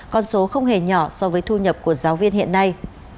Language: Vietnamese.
con số không hề nhỏ so với thu nhập của giáo viên hiện nay